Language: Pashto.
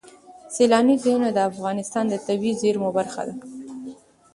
سیلانی ځایونه د افغانستان د طبیعي زیرمو برخه ده.